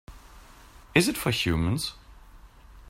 Is it for humans?